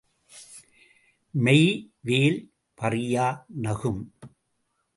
Meivel பறியா நகும்!